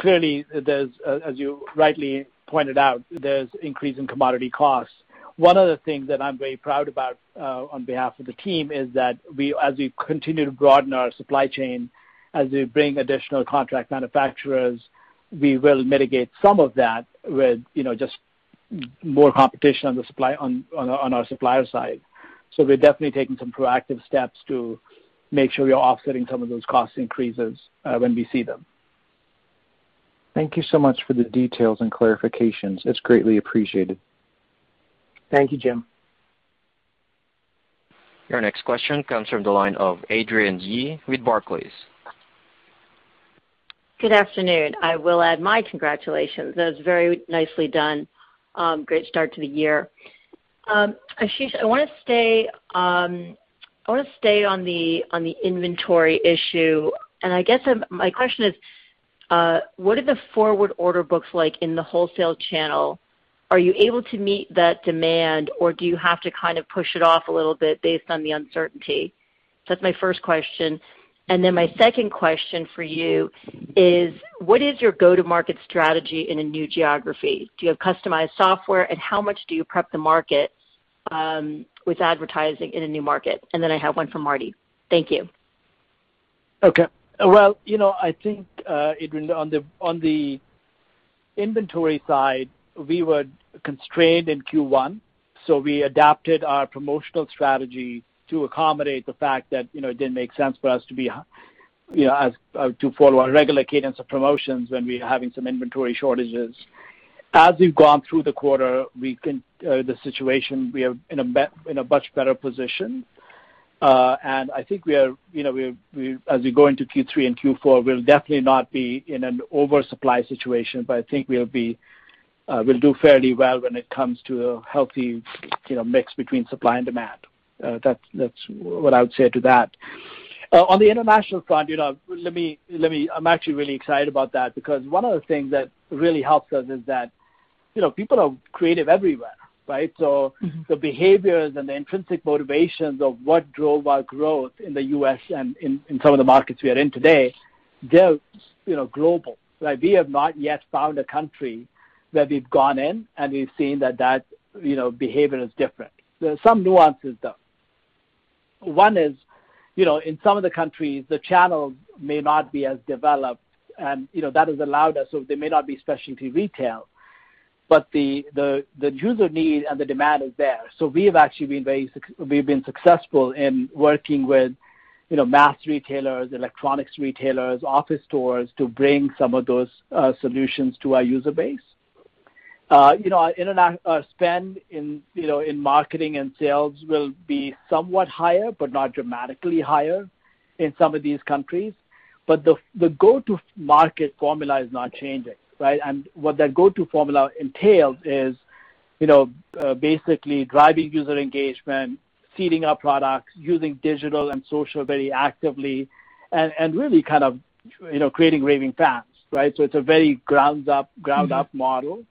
Speaker 3: clearly, there's, as you rightly pointed out, there's increase in commodity costs. One of the things that I'm very proud about, on behalf of the team is that we as we continue to broaden our supply chain, as we bring additional contract manufacturers, we will mitigate some of that with, you know, just more competition on the supply on our supplier side. So we're definitely taking some proactive steps to make sure we are offsetting some of those cost increases, when we see them.
Speaker 7: Thank you so much for the details and clarifications. It is greatly appreciated.
Speaker 4: Thank you, Jim.
Speaker 1: Your next question comes from the line of Adrienne Yih with Barclays.
Speaker 8: Good afternoon? I will add my congratulations. That was very nicely done. Great start to the year. Ashish, I wanna stay on the inventory issue, and I guess my question is, what are the forward order books like in the wholesale channel? Are you able to meet that demand, or do you have to kind of push it off a little bit based on the uncertainty? That's my first question. Then my second question for you is, what is your go-to-market strategy in a new geography? Do you have customized software, and how much do you prep the market with advertising in a new market? Then I have one for Marty. Thank you.
Speaker 3: Okay. Well, you know, I think, Adrienne, on the, on the inventory side, we were constrained in Q1, so we adapted our promotional strategy to accommodate the fact that, you know, it didn't make sense for us to be, you know, as to follow our regular cadence of promotions when we're having some inventory shortages. As we've gone through the quarter, we are in a much better position. I think we are, you know, we as we go into Q3 and Q4, we'll definitely not be in an oversupply situation, but I think we'll be, we'll do fairly well when it comes to a healthy, you know, mix between supply and demand. That's, that's what I would say to that. On the international front, you know, let me I'm actually really excited about that because one of the things that really helps us is that, you know, people are creative everywhere, right? the behaviors and the intrinsic motivations of what drove our growth in the U.S. and in some of the markets we are in today, they're, you know, global, right? We have not yet found a country where we've gone in and we've seen that, you know, behavior is different. There are some nuances, though. One is, you know, in some of the countries, the channel may not be as developed, and, you know, that has allowed us so they may not be specialty retail, but the user need and the demand is there. We have actually been very successful in working with, you know, mass retailers, electronics retailers, office stores to bring some of those solutions to our user base. You know, our spend in, you know, in marketing and sales will be somewhat higher but not dramatically higher in some of these countries, but the go-to-market formula is not changing, right? What that go-to formula entails is, you know, basically driving user engagement, seeding our products, using digital and social very actively and really kind of, you know, creating raving fans, right? It's a very ground up model.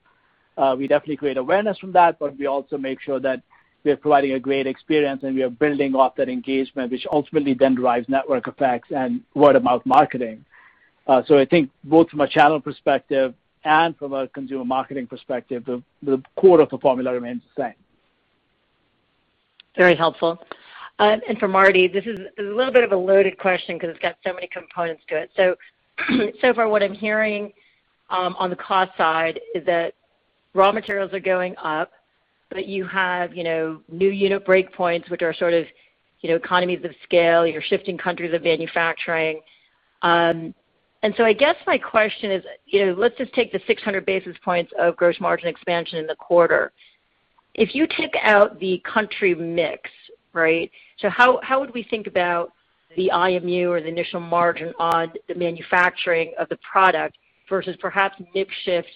Speaker 3: We definitely create awareness from that, but we also make sure that we are providing a great experience, and we are building off that engagement, which ultimately then drives network effects and word-of-mouth marketing. I think both from a channel perspective and from a consumer marketing perspective, the core of the formula remains the same.
Speaker 8: Very helpful. For Marty, this is a little bit of a loaded question 'cause it's got so many components to it. So far what I'm hearing, on the cost side is that raw materials are going up, but you have, you know, new unit break points, which are sort of, you know, economies of scale. You're shifting countries of manufacturing. I guess my question is, you know, let's just take the 600 basis points of gross margin expansion in the quarter. If you take out the country mix, right? How would we think about the IMU or the initial margin on the manufacturing of the product versus perhaps mix shift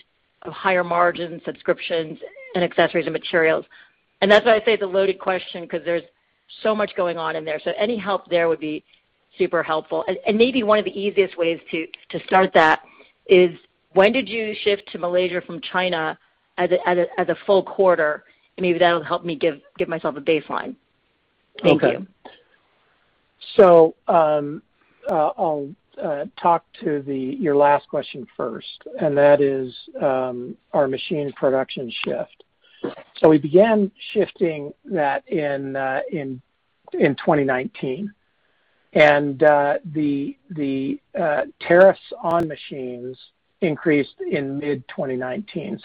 Speaker 8: of higher margin subscriptions and accessories and materials? That's why I say it's a loaded question because there's so much going on in there. Any help there would be super helpful. Maybe one of the easiest ways to start that is when did you shift to Malaysia from China as a full quarter? Maybe that'll help me give myself a baseline. Thank you.
Speaker 4: Okay. I'll talk to your last question first, and that is our machine production shift. We began shifting that in 2019. The tariffs on machines increased in mid 2019.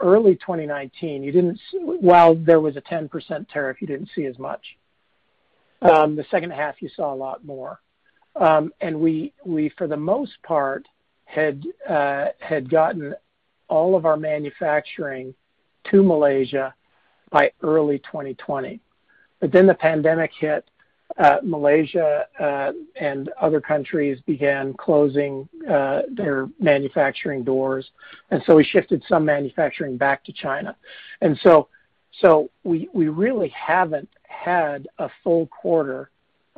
Speaker 4: Early 2019, you didn't, while there was a 10% tariff, you didn't see as much. The second half you saw a lot more. We, for the most part, had gotten all of our manufacturing to Malaysia by early 2020. The pandemic hit, Malaysia, and other countries began closing their manufacturing doors, we shifted some manufacturing back to China. We really haven't had a full quarter of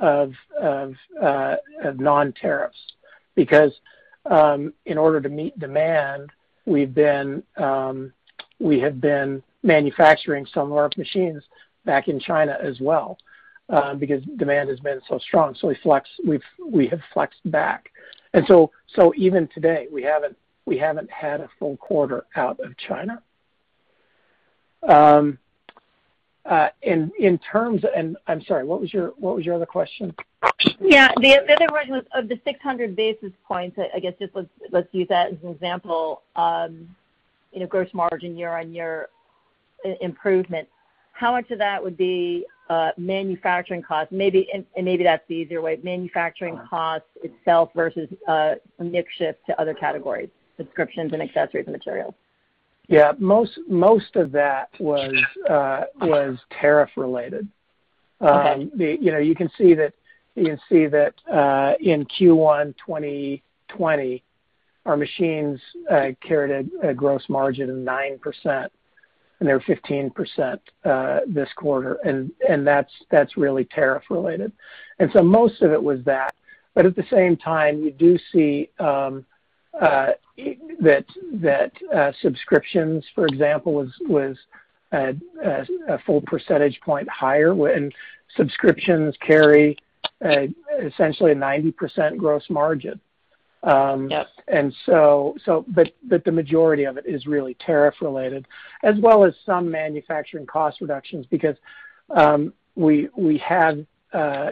Speaker 4: non-tariffs because in order to meet demand, we have been manufacturing some of our machines back in China as well because demand has been so strong. We have flexed back. Even today, we haven't had a full quarter out of China. In terms, I'm sorry, what was your other question?
Speaker 8: Yeah. The other question was of the 600 basis points, I guess just let's use that as an example, you know, gross margin year-over-year improvement. How much of that would be manufacturing costs? Maybe that's the easier way. Manufacturing costs itself versus mix shift to other categories, subscriptions and accessories and materials.
Speaker 4: Yeah. Most of that was tariff related.
Speaker 8: Okay.
Speaker 4: You know, you can see that, in Q1 2020, our machines, carried a gross margin of 9%, and they were 15% this quarter. That's really tariff related. Most of it was that. At the same time, you do see, that, subscriptions, for example, was at a full percentage point higher when subscriptions carry, essentially a 90% gross margin. The majority of it is really tariff related, as well as some manufacturing cost reductions because, we have,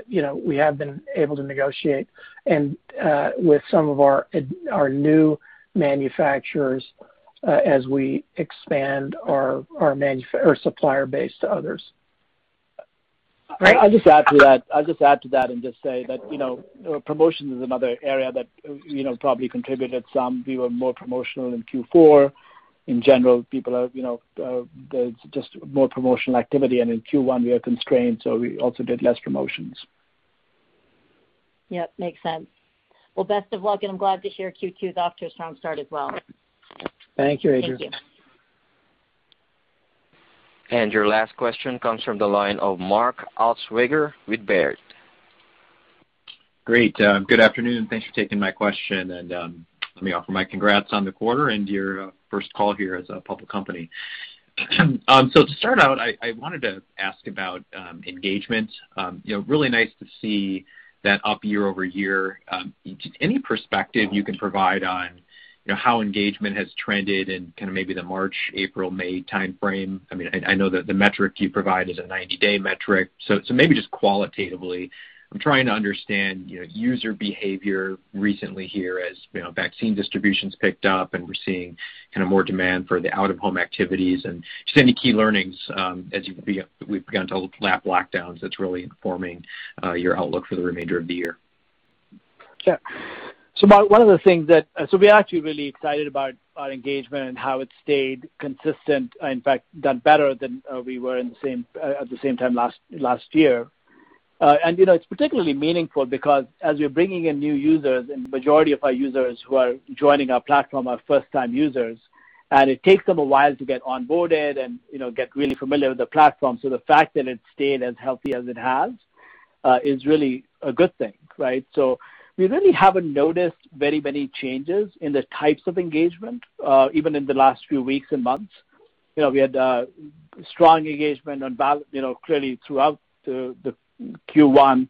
Speaker 4: you know, we have been able to negotiate and with some of our new manufacturers, as we expand our supplier base to others.
Speaker 8: Great.
Speaker 3: I'll just add to that and just say that, you know, promotion is another area that, you know, probably contributed some. We were more promotional in Q4. In general, people are, you know, there's just more promotional activity. In Q1, we are constrained, so we also did less promotions.
Speaker 8: Yep. Makes sense. Well, best of luck, and I'm glad to hear Q2 is off to a strong start as well.
Speaker 4: Thank you, Adrienne..
Speaker 8: Thank you.
Speaker 1: Your last question comes from the line of Mark Altschwager with Baird.
Speaker 9: Great. Good afternoon? Thanks for taking my question. Let me offer my congrats on the quarter and your first call here as a public company. To start out, I wanted to ask about engagement. You know, really nice to see that up year-over-year. Any perspective you can provide on, you know, how engagement has trended in kind of maybe the March, April, May timeframe? I mean, I know that the metric you provide is a 90-day metric. Maybe just qualitatively, I'm trying to understand, you know, user behavior recently here as, you know, vaccine distribution's picked up and we're seeing kind of more demand for the out-of-home activities and just any key learnings as we've begun to lap lockdowns that's really informing your outlook for the remainder of the year.
Speaker 3: Sure. Mark, one of the things that we're actually really excited about our engagement and how it stayed consistent, in fact, done better than we were in the same at the same time last year. You know, it's particularly meaningful because as we're bringing in new users, and the majority of our users who are joining our platform are first-time users, and it takes them a while to get onboarded and, you know, get really familiar with the platform. The fact that it's stayed as healthy as it has is really a good thing, right? We really haven't noticed very many changes in the types of engagement, even in the last few weeks and months. You know, we had strong engagement on Val, you know, clearly throughout the Q1.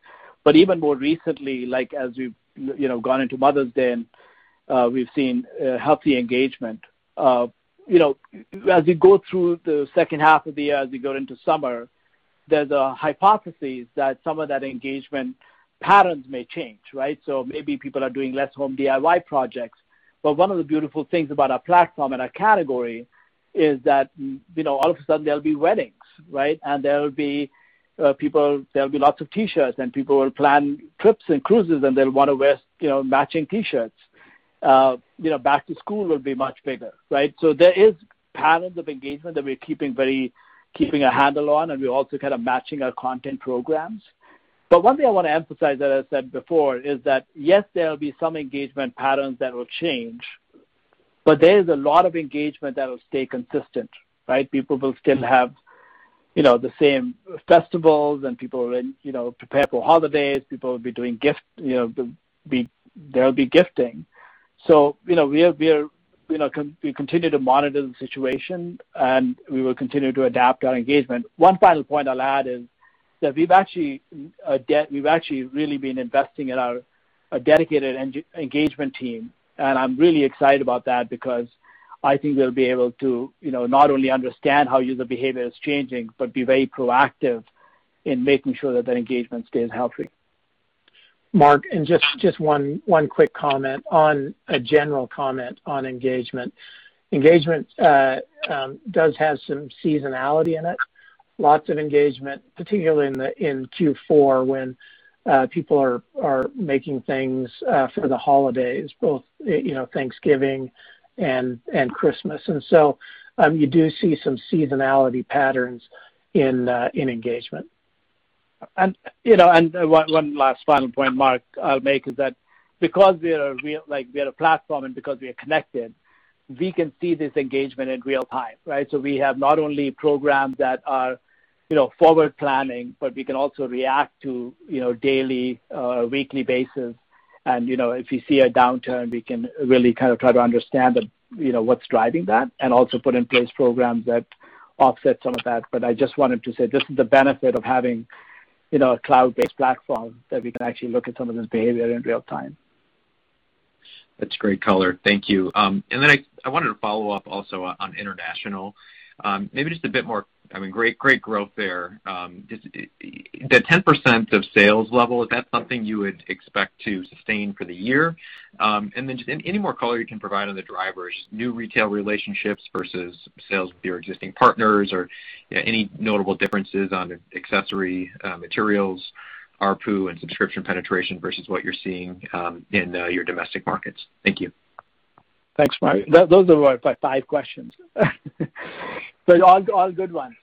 Speaker 3: Even more recently, like, as we've, you know, gone into Mother's Day and, we've seen, healthy engagement. You know, as we go through the second half of the year, as we go into summer, there's a hypothesis that some of that engagement patterns may change, right? Maybe people are doing less home DIY projects. One of the beautiful things about our platform and our category is that, you know, all of a sudden there'll be weddings, right? There will be lots of T-shirts, and people will plan trips and cruises, and they'll wanna wear, you know, matching T-shirts. You know, back to school will be much bigger, right? There is patterns of engagement that we're keeping a handle on, and we're also kind of matching our content programs. One thing I wanna emphasize that I said before is that, yes, there will be some engagement patterns that will change, but there is a lot of engagement that will stay consistent, right? People will still have, you know, the same festivals, and people will, you know, prepare for holidays. People will be doing gift, you know, they'll be gifting. You know, we are, you know, we continue to monitor the situation, and we will continue to adapt our engagement. One final point I'll add is that we've actually really been investing in our, a dedicated engagement team. I'm really excited about that because I think we'll be able to, you know, not only understand how user behavior is changing but be very proactive in making sure that that engagement stays healthy.
Speaker 4: Mark, just one quick comment on a general comment on engagement. Engagement does have some seasonality in it. Lots of engagement, particularly in Q4 when people are making things for the holidays, both, you know, Thanksgiving and Christmas. You do see some seasonality patterns in engagement.
Speaker 3: You know, one last final point, Mark, I'll make is that because we are a platform and because we are connected, we can see this engagement in real time. We have not only programs that are, you know, forward planning, but we can also react to, you know, daily, weekly basis. You know, if we see a downturn, we can really kind of try to understand the, you know, what's driving that and also put in place programs that offset some of that. I just wanted to say this is the benefit of having, you know, a cloud-based platform, that we can actually look at some of this behavior in real time.
Speaker 9: That's great color. Thank you. I wanted to follow up also on international. Maybe just a bit more I mean, great growth there. Does the 10% of sales level, is that something you would expect to sustain for the year? Just any more color you can provide on the drivers, new retail relationships versus sales with your existing partners, or any notable differences on accessory, materials, ARPU, and subscription penetration versus what you're seeing in your domestic markets. Thank you.
Speaker 3: Thanks, Mark. Those are about five questions. All good ones.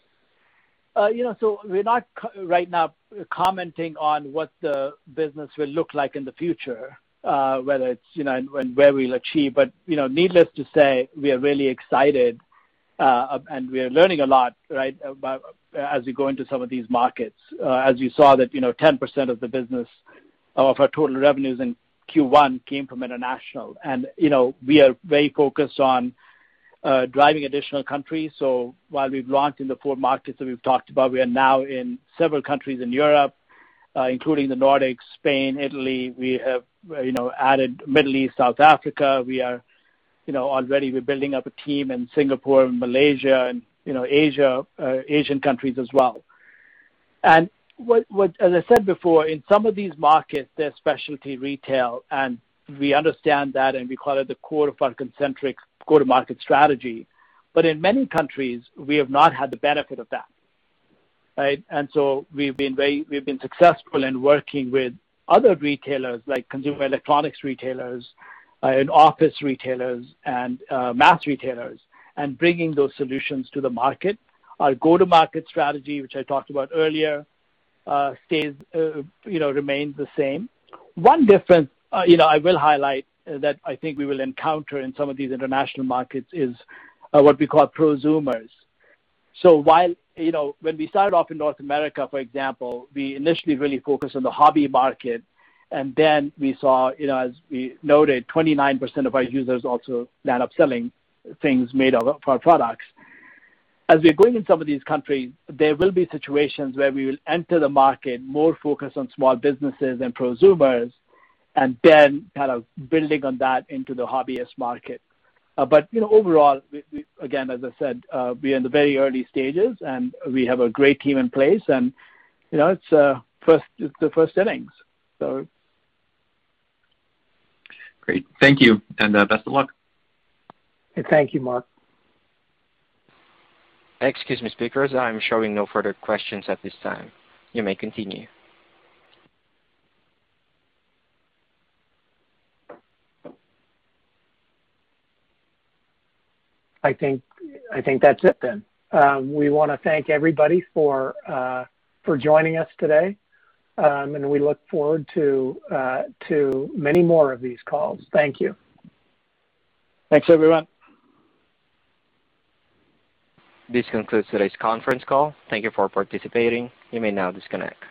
Speaker 3: You know, we're not right now commenting on what the business will look like in the future, whether it's, you know, and where we'll achieve. You know, needless to say, we are really excited, and we are learning a lot, right, by, as we go into some of these markets. As you saw that, you know, 10% of the business, of our total revenues in Q1 came from international. You know, we are very focused on driving additional countries. While we've launched in the four markets that we've talked about, we are now in several countries in Europe, including the Nordics, Spain, Italy. We have, you know, added Middle East, South Africa. We are, you know, already we're building up a team in Singapore and Malaysia and, you know, Asia, Asian countries as well. As I said before, in some of these markets, they're specialty retail, and we understand that, and we call it the core of our concentric go-to-market strategy. In many countries, we have not had the benefit of that, right? We've been successful in working with other retailers, like consumer electronics retailers, and office retailers and mass retailers, and bringing those solutions to the market. Our go-to-market strategy, which I talked about earlier, stays, you know, remains the same. One difference, you know, I will highlight that I think we will encounter in some of these international markets is what we call prosumers. While, you know, when we started off in North America, for example, we initially really focused on the hobby market, and then we saw, you know, as we noted, 29% of our users also end up selling things made of our products. As we're going in some of these countries, there will be situations where we will enter the market more focused on small businesses and prosumers, and then kind of building on that into the hobbyist market. You know, overall, we Again, as I said, we are in the very early stages, and we have a great team in place, and, you know, it's first, it's the first innings, so.
Speaker 9: Great. Thank you and best of luck.
Speaker 4: Thank you, Mark.
Speaker 1: Excuse me, speakers. I'm showing no further questions at this time. You may continue.
Speaker 4: I think that's it then. We wanna thank everybody for joining us today. We look forward to many more of these calls. Thank you.
Speaker 3: Thanks, everyone.
Speaker 1: This concludes today's conference call. Thank you for participating, you may now disconnect.